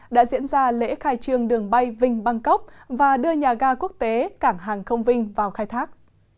đã diễn ra lễ khai trương đường bay vinh bangkok và đưa nhà ga quốc tế cảng hàng không vinh vào khai thác